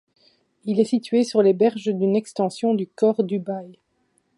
Il est situé sur les berges d'une extension du Khor Dubaï.